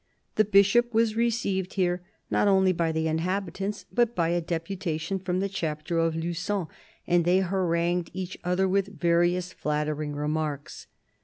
The Bishop was received here, not only by the inhabitants, but by a deputation from the Chapter of Lugon, and they harangued each other with various flattering remarks.